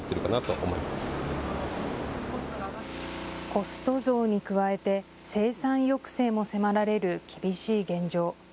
コスト増に加えて生産抑制も迫られる厳しい現状。